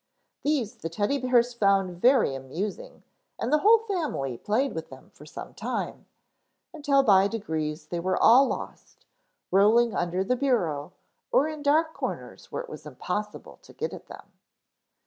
These the Teddy bears found very amusing and the whole family played with them for some time, until by degrees they were all lost, rolling under the bureau or in dark corners where it was impossible to get at them.